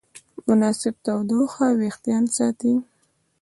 مناسب تودوخه وېښتيان ساتي.